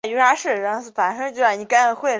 陈曾栻早年毕业于日本明治大学。